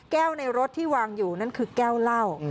ในรถที่วางอยู่นั่นคือแก้วเหล้า